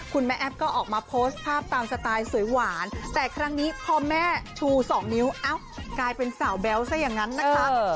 แม่แอฟก็ออกมาโพสต์ภาพตามสไตล์สวยหวานแต่ครั้งนี้พอแม่ชูสองนิ้วเอ้ากลายเป็นสาวแบ๊วซะอย่างนั้นนะคะ